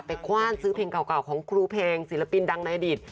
คว่านซื้อเพลงเก่าของครูเพลงศิลปินดังในอดีต